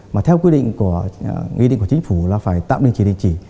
mà theo quy định của chính phủ là phải tạm đình chỉ đình chỉ